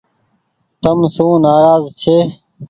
تم سون نآراز ڇي۔